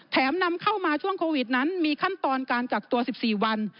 นำเข้ามาช่วงโควิดนั้นมีขั้นตอนการกักตัว๑๔วัน